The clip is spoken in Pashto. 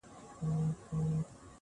سپوږمۍ په لپه کي هغې په تماسه راوړې.